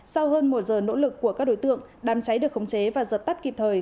sau hơn một giờ nỗ lực của các đối tượng đám cháy được khống chế và giật tắt kịp thời